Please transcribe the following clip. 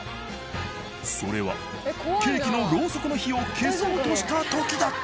それはケーキのロウソクの火を消そうとした時だった！